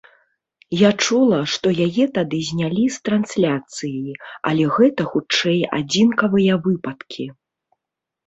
Я чула, што яе тады знялі з трансляцыі, але гэта, хутчэй, адзінкавыя выпадкі.